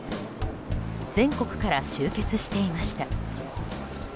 全国から集結していました。